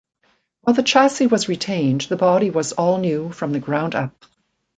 While the chassis was retained, the body was all-new from the ground up.